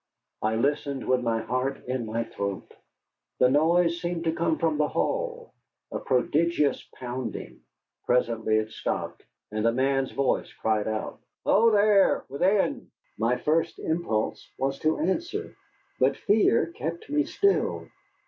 I listened with my heart in my throat. The noise seemed to come from the hall, a prodigious pounding. Presently it stopped, and a man's voice cried out: "Ho there, within!" My first impulse was to answer. But fear kept me still.